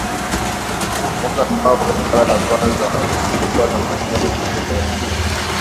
mwaka ambao kwa mara ya kwanza kulikuwa na mashindano ya Kombe la Dunia